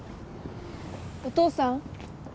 ・お父さん。